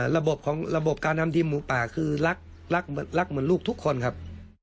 ระบบของระบบการทำทีมหมูป่าคือรักเหมือนลูกทุกคนครับ